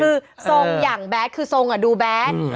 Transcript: คือส่งอย่างแบดคือส่งอะดูแบด